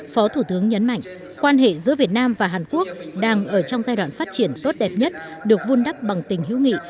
phó thủ tướng nhấn mạnh quan hệ giữa việt nam và hàn quốc đang ở trong giai đoạn phát triển tốt đẹp nhất được vun đắp bằng tình hữu nghị